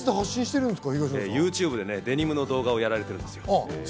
ＹｏｕＴｕｂｅでね、デニムの動画をやられているんです。